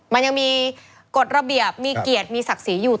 มันยังมีกฎระเบียบมีเกียรติมีศักดิ์ศรีอยู่